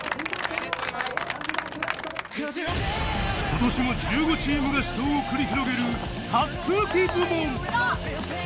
今年も１５チームが死闘を繰り広げる滑空機部門ＧＯ！